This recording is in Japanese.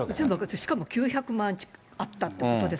しかも９００万円あったということです。